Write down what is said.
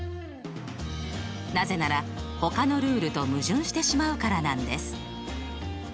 なぜならほかのルールと矛盾してしまうからなんです。